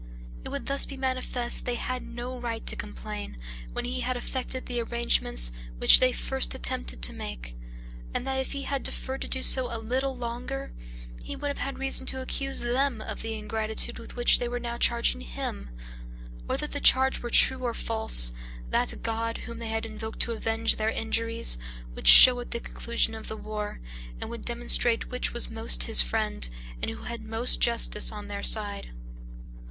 It would thus be manifest they had no right to complain, when he had effected the arrangements which they first attempted to make; and that if he had deferred to do so a little longer, he would have had reason to accuse them of the ingratitude with which they were now charging him. Whether the charge were true or false, that God, whom they had invoked to avenge their injuries, would show at the conclusion of the war, and would demonstrate which was most his friend, and who had most justice on their side."